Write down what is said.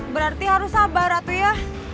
berarti harus sabar ratu ya